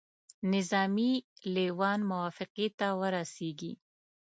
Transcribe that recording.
نظامي لېوان موافقې ته ورسیږي.